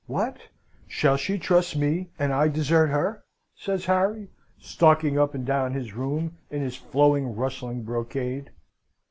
"What? Shall she trust me, and I desert her?" says Harry, stalking up and down his room in his flowing, rustling brocade.